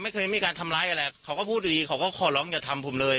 ไม่เคยมีการทำร้ายอะไรเขาก็พูดดีเขาก็ขอร้องอย่าทำผมเลย